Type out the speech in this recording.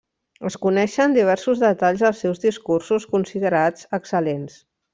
Es coneixen diversos detalls dels seus discursos considerats excel·lents.